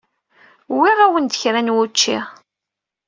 Uwiɣ-awen-d kra n wučči.